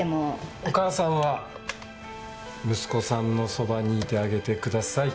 お母さんは息子さんのそばにいてあげてください。